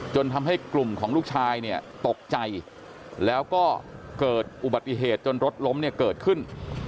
จนทำให้กลุ่มของลูกชายเนี่ยตกใจแล้วก็เกิดอุบัติเหตุจนรถล้มเนี่ยเกิดขึ้น